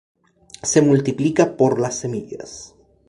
Se multiplica por las semillas.